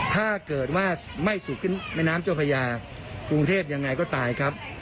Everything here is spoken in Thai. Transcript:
ถ้าเกิดว่าไม่สูบขึ้นเจ้าพญาวงเทพฯอย่างไรก็ตายครับ